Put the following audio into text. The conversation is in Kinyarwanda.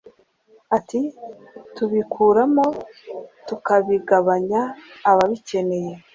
Ati “Tubikuramo tukabigabanya ababikeneye